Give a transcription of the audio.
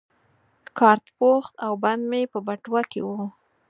کارت پوښ او بند مې په بټوه کې وو.